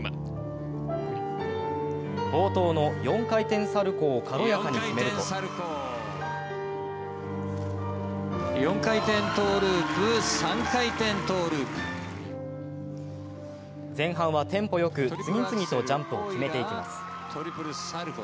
冒頭の４回転サルコウを軽やかに決めると前半はテンポよく、次々とジャンプを決めていきます。